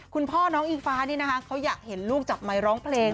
คุณพ่อน้องอิงฟ้านี่นะคะเขาอยากเห็นลูกจับไมค์ร้องเพลง